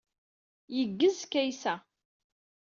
Yeggez Kaysa.